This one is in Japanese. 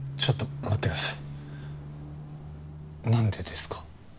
ちょっと待ってください何でですか？